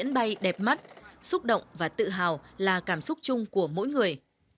các máy bay đẹp mắt xúc động và tự hào là cảm xúc chung của mỗi người